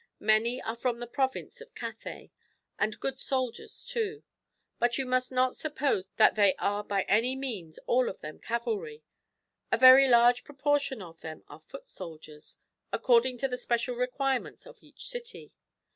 Many are from the province of Cathay, and good soldiers too. But you must not suppose they are by any means all of them cavalry ; a very large proportion of them are foot soldiers, according to the special requirements of each city.